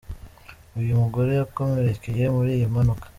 Uyu mugore yakomerekeye muri iyi mpanuka.